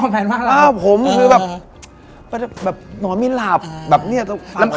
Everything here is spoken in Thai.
อ๋อแฟนว่าเรา